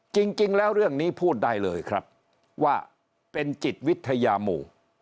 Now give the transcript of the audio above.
จริงแล้วเรื่องนี้พูดได้เลยครับว่าเป็นจิตวิทยาหมู่